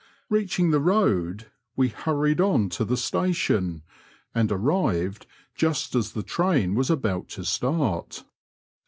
Beaching the road, we hurried on to the station, and arrived just as the train was about to start.